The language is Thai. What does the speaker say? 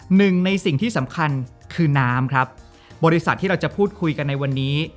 หนึ่งในสิ่งที่สำคัญคือน้ำครับบริษัทที่เราจะพูดคุยกันในวันนี้